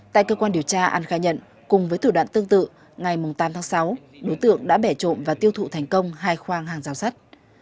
tại cơ quan điều tra an khai nhận cùng với tử đoạn tương tự ngày tám tháng sáu đối tượng đã bẻ trộm và tiêu thụ thành công hai khoang hàng rào sắt